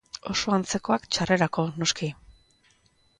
Oso antzekoak txarrerako, noski.